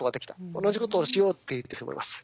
同じことをしようって言ってる人もいます。